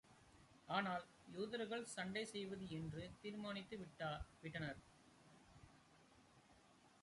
ஆனால், யூதர்கள் சண்டை செய்வது என்றே தீர்மானித்து விட்டனர்.